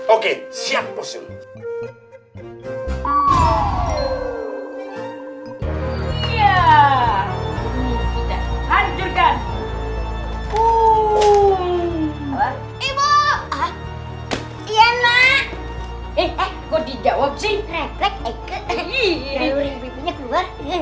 oke siap bosun ya kita hancurkan iya iya nak eh eh kok tidak wopsi refleks ekor ini keluar